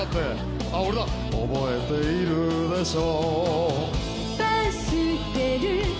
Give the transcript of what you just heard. あっ俺だ！覚えているでしょ